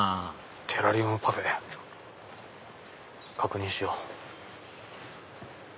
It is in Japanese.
テラリウムパフェ。確認しよう。